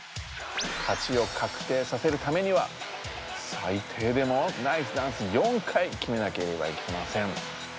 勝ちを確定させるためにはさいていでもナイスダンス４回きめなければいけません。